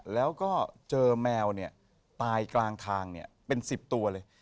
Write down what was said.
แล้วก็เจอแมวเนี่ยตายกลางทางเนี่ยเป็น๑๐ตัวเลย